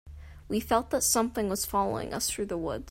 We felt that something was following us through the woods.